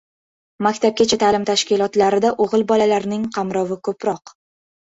Maktabgacha ta’lim tashkilotlarida o‘g‘il bolalarning qamrovi ko‘proq